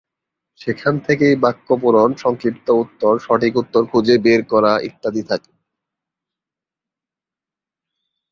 সেখান থেকেই বাক্য পূরণ, সংক্ষিপ্ত উত্তর, সঠিক উত্তর খুঁজে বের করা ইত্যাদি থাকে।